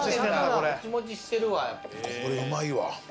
これうまいわ。